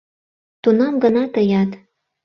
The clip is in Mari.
Тунам гына тыят